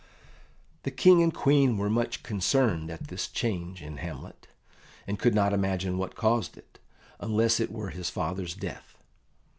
The King and Queen were much concerned at this change in Hamlet, and could not imagine what caused it, unless it were his father's death.